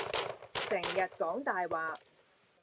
成日講大話